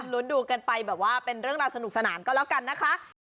ลุ้นดูกันไปแบบว่าเป็นเรื่องราวสนุกสนานก็แล้วกันนะคะ